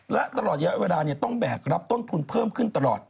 และตลอดระยะเวลาต้องแบกรับต้นทุนเพิ่มขึ้นตลอด